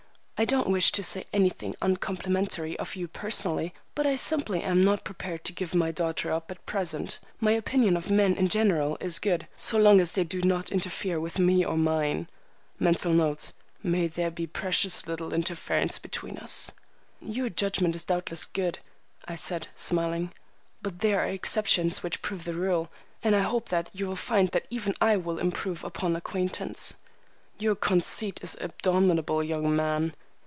"I don't wish to say anything uncomplimentary of you personally, but I simply am not prepared to give my daughter up at present. My opinion of men in general is good, so long as they do not interfere with me or mine." (Mental note: "May there be precious little interference between us!") "Your judgment is doubtless good," I said, smiling; "but there are exceptions which prove the rule, and I hope you will find that even I will improve upon acquaintance." "Your conceit is abominable, young man."